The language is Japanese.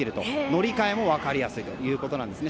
乗り換えも分かりやすいということです。